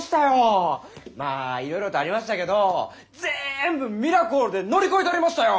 まあいろいろとありましたけどぜんぶミラクルで乗り越えたりましたよ！